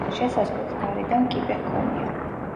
შესასვლელს გარედან კიბე ჰქონია.